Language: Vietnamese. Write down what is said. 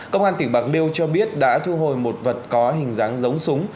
công an tỉnh bạc liêu cho biết đã thu hồi một vật có hình dáng giống súng